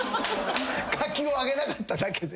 柿をあげなかっただけで。